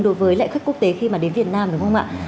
đối với lãnh khắc quốc tế khi mà đến việt nam đúng không ạ